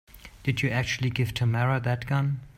Did you actually give Tamara that gun?